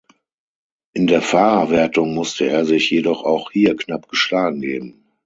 In der Fahrerwertung musste er sich jedoch auch hier knapp geschlagen geben.